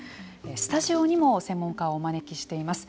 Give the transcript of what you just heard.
スタジオにも専門家をお招きしています。